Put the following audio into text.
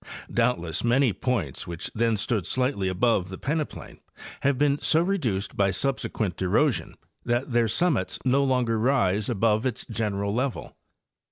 Doubtless many points which then stood slightly above the peneplain have been so reduced by subsequent erosion that their summits no longer rise above its general level.